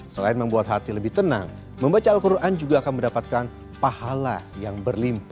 selain membuat hati lebih tenang membaca al quran juga akan mendapatkan pahala yang berlimpah